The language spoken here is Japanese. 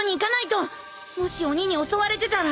もし鬼に襲われてたら。